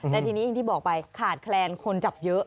แต่ทีนี้อย่างที่บอกไปขาดแคลนคนจับเยอะ